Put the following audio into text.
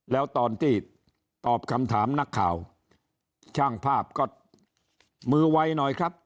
แล้วตอนที่ตอบคำถามนักข่าวช่างภาพก็มือไวหน่อยครับ